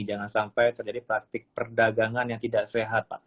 jangan sampai terjadi praktik perdagangan yang tidak sehat pak